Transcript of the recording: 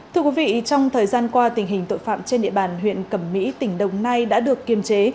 thưa quý vị trong thời gian qua tình hình tội phạm trên địa bàn huyện cẩm mỹ tỉnh đồng nai đã được kiềm chế